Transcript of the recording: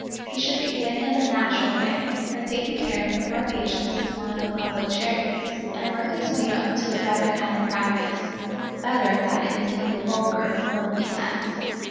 He should begin in the natural way, by taking care of poor patients in one of the public charities, and work his way up to a better kind of practice, better, that is, in the vulgar, worldly sense.